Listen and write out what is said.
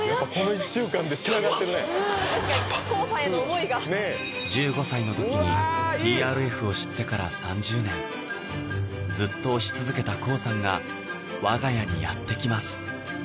確かにＫＯＯさんへの思いが１５歳の時に「ＴＲＦ」を知ってから３０年ずっと推し続けたＫＯＯさんが我が家にやってきます